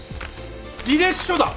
履歴書だ！